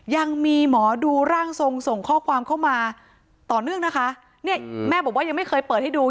ยังมีหมอดูร่างทรงส่งข้อความเข้ามาต่อเนื่องนะคะเนี่ยแม่บอกว่ายังไม่เคยเปิดให้ดู